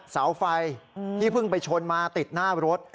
เสาไฟที่เพิ่งไปชนมาติดหน้ารถ